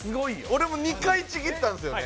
俺も２回ちぎったんですよね